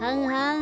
ん？